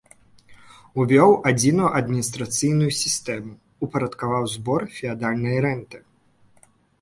Увёў адзіную адміністрацыйную сістэму, упарадкаваў збор феадальнай рэнты.